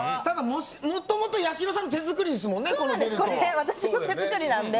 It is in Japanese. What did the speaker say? もともとやしろさんの手作りですもんね。